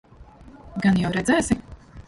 Gan jau redzēsi?